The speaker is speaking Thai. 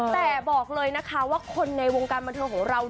แต่บอกเลยนะคะว่าคนในวงการบันเทิงของเรา